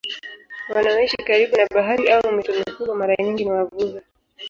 Wanaoishi karibu na bahari au mito mikubwa mara nyingi ni wavuvi.